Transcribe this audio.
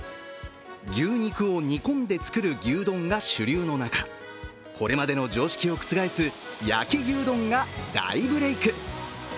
牛肉を煮込んで作る牛丼が主流の中これまでの常識を覆す焼き牛丼が大ブレイク。